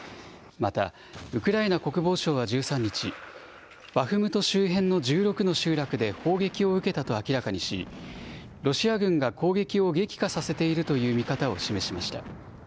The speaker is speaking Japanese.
また、ウクライナ国防省は１３日、バフムト周辺の１６の集落で、砲撃を受けたと明らかにし、ロシア軍が攻撃を激化させているという見方を示しました。